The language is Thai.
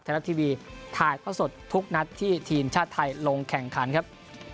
รัฐทีวีถ่ายทอดสดทุกนัดที่ทีมชาติไทยลงแข่งขันครับ